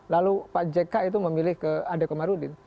lalu pak jk itu memilih adekomarudin